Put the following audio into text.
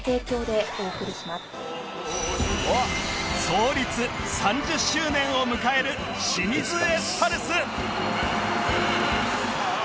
創立３０周年を迎える清水エスパルス